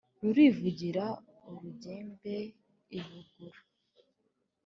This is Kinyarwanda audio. rurivugira urugembe i buguru.